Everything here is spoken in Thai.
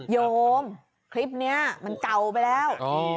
โยมคลิปนี้มันเก่าไปแล้ว